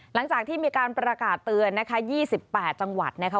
หลังจากที่มีการประกาศเตือนนะคะ๒๘จังหวัดนะคะ